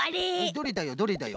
どれだよどれだよ？